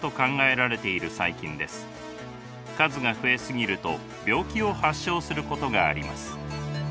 数が増え過ぎると病気を発症することがあります。